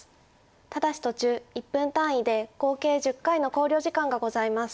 ただし途中１分単位で合計１０回の考慮時間がございます。